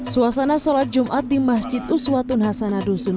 suasana sholat jumat di masjid uswatun hasanadusun